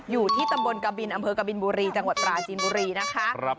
อยู่ที่ตำบลกบินอำเภอกบินบุรีจังหวัดปราจีนบุรีนะคะ